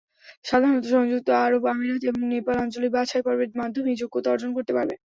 সাধারণত সংযুক্ত আরব আমিরাত এবং নেপাল আঞ্চলিক বাছাইপর্বের মাধ্যমেই যোগ্যতা অর্জন করতে পারবে।